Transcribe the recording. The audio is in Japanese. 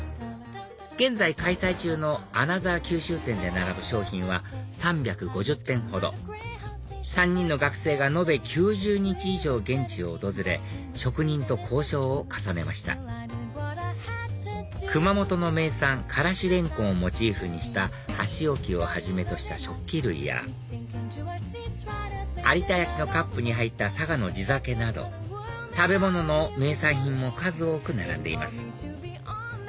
現在開催中のアナザー・キュウシュウ展で並ぶ商品は３５０点ほど３人の学生が延べ９０日以上現地を訪れ職人と交渉を重ねました熊本の名産辛子蓮根をモチーフにした箸置きをはじめとした食器類や有田焼のカップに入った佐賀の地酒など食べ物の名産品も数多く並んでいます